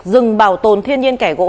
rừng bảo tồn thiên nhiên kẻ gỗ